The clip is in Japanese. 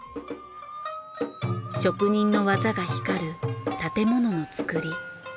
職人の技が光る建物の造り。